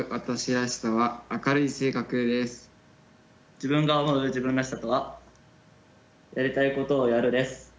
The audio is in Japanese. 自分が思う自分らしさとは「やりたいことをやる」です。